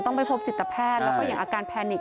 ต้องไปพบจิตแพทย์แล้วก็อย่างอาการแพนิก